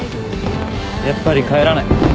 やっぱり帰らない。